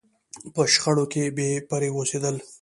په شخړو کې بې پرې اوسېدل.